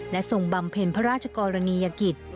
และทรงบำเพ็ญพระราชกรณียกิจ